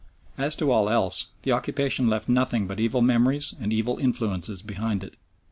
As to all else, the occupation left nothing but evil memories and evil influences behind it.